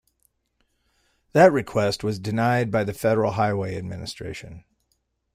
That request was denied by the Federal Highway Administration.